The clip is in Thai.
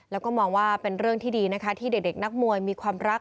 แล้วก็มองว่าเป็นเรื่องที่ดีนะคะที่เด็กนักมวยมีความรัก